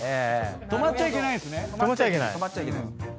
止まっちゃいけないんすね。